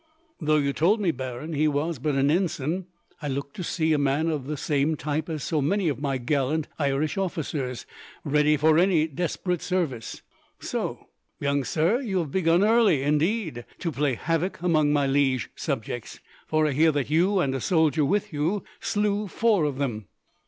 "Though you told me, Baron, he was but an ensign, I looked to see a man of the same type as so many of my gallant Irish officers, ready for any desperate service. "So, young sir, you have begun early, indeed, to play havoc among my liege subjects, for I hear that you, and a soldier with you, slew four of them."